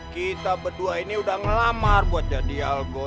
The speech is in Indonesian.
kita berdua ini udah ngelamar buat jadi al qudu